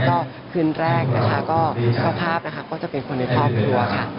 ก็คืนแรกนะคะก็เจ้าภาพนะคะก็จะเป็นคนในครอบครัวค่ะ